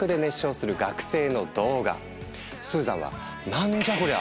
スーザンは「なんじゃこりゃ！